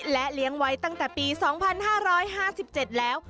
และเลี้ยงไว้ตั้งแต่ปี๒๕๕๗แล้ว